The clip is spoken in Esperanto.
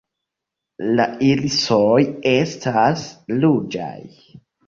La irisoj estas ruĝaj.